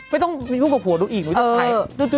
ไม่ต้องมีชุดของผัวดูอีกหรือไง